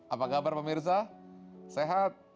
apa kabar pemirsa sehat